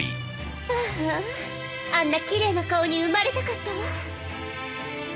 あああんなきれいな顔に生まれたかったわ。